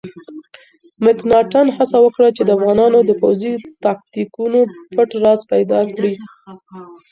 مکناتن هڅه وکړه چې د افغانانو د پوځي تاکتیکونو پټ راز پیدا کړي.